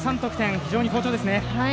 非常に好調ですね。